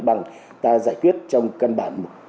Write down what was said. bằng ta giải quyết trong cân bản